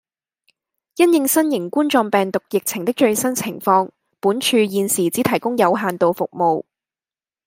因應新型冠狀病毒疫情的最新情況，本處現時只提供有限度服務